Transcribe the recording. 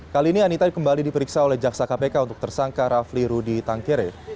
kali ini anitta kembali diperiksa oleh jaksa kpk untuk tersangka rafli rudi tangkere